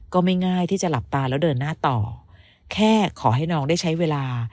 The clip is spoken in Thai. ก็ไม่ง่ายที่จะหลับตาแล้วเดินหน้าต่อแค่ขอให้น้องได้ใช้เวลา